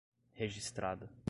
registrada